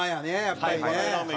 やっぱりね。